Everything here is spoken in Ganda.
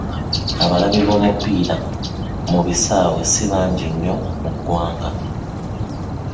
Abalabi b'omupiira mu bisaawe si bangi nnyo mu ggwanga.